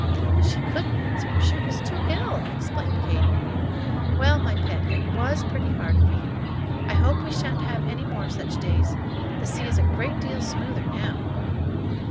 "She couldn't answer; she was too ill," explained Katy. "Well, my pet, it was pretty hard for you. I hope we sha'n't have any more such days. The sea is a great deal smoother now."